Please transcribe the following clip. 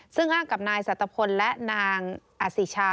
ซึ่งอ้างกับนายสัตวพลและนางอสิชา